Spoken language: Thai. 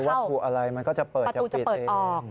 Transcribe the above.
มีวัตถุอะไรมันก็จะเปิดประตูจะเปิดออก